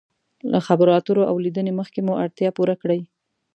له خبرو اترو او لیدنې مخکې مو اړتیا پوره کړئ.